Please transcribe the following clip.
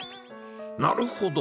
なるほど。